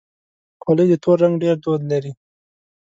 خولۍ د تور رنګ ډېر دود لري.